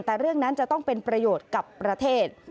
แต่เรื่องนั้นจะต้องเป็นประโยชน์กับประเทศ